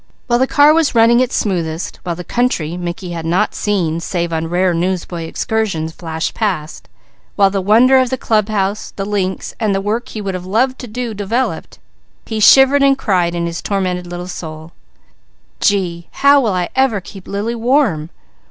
While the car was running its smoothest, while the country Mickey had not seen save on rare newsboy excursions, flashed past, while the wonder of the club house, the links, and the work he would have loved to do developed, he shivered and cried in his tormented little soul: "Gee, how will I ever keep Lily warm?"